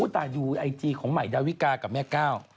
ตายดูไอจีของใหม่ดาวิกากับแม่ก้าว